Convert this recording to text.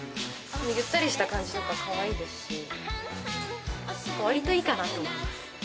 ゆったりした感じとかもかわいいですしわりといいかなと思います。